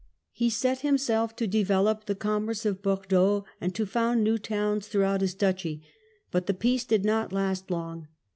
He set himself to develop the commerce of Bordeaux, and to found new towns through out his duchy. But the peace did not last long.